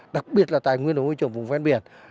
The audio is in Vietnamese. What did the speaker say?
đặc biệt là tài nguyên và môi trường vùng ven biển